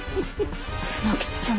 卯之吉様。